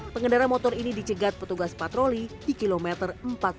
pengendara motor ini dicegat petugas patroli di kilometer empat puluh lima